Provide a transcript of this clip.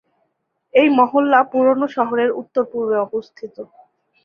এই মহল্লা পুরনো শহরের উত্তর পূর্বে অবস্থিত।